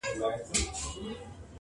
ولي سیوری اچولی خوب د پېغلي پر ورنونه!.